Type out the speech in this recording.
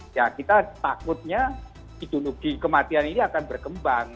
ya kita takutnya ideologi kematian ini akan berkembang